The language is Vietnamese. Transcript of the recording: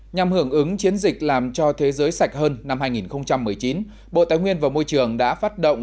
nhằm hưởng ứng chiến dịch làm cho thế giới sạch hơn năm hai nghìn một mươi chín bộ tài nguyên và môi trường đã phát động